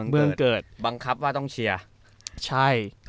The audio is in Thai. เอ้าเหรอ